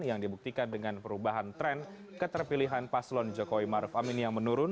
yang dibuktikan dengan perubahan tren keterpilihan paslon jokowi maruf amin yang menurun